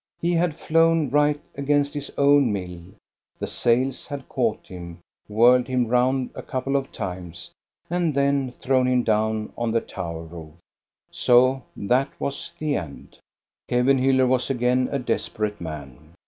He had flown right against his own mill ; the sails had caught him, whirled him round a couple of times, and then thrown him down on the tower roof. So that was the end. Kevenhuller was again a desperate man.